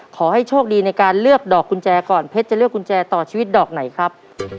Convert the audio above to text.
ขอให้โชคดีในการเลือกดอกกุญแจก่อนเพชรจะเลือกกุญแจต่อชีวิตดอกไหนครับ